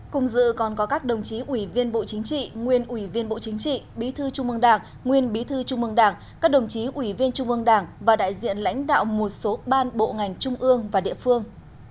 cùng dự còn có các đồng chí ủy viên bộ chính trị nguyên ủy viên bộ chính trị bí thư trung mương đảng nguyên bí thư trung mương đảng các đồng chí ủy viên trung ương đảng và đại diện lãnh đạo một số ban bộ ngành trung ương và địa phương